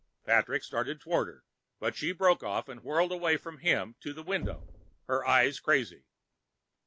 Patrick started toward her, but she broke off and whirled away from him to the window, her eyes crazy.